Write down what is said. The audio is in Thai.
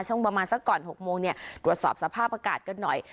ช่วงประมาณสักก่อน๖โมงเนี่ยตรวจสอบสภาพอากาศกันหน่อย